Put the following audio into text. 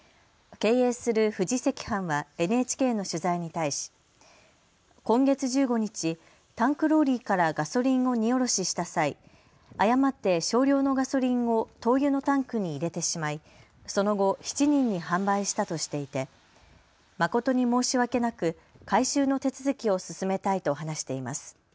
経営するフジ石販はＮＨＫの取材に対し今月１５日、タンクローリーからガソリンを荷降ろしした際、誤って少量のガソリンを灯油のタンクに入れてしまいその後、７人に販売したとしていて誠に申し訳なく回収の手続きを進めたいと話しています。